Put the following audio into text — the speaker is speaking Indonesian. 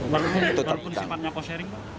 walaupun sifatnya cost sharing